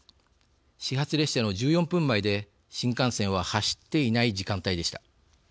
始発列車の１４分前で新幹線は走っていない時間帯でした。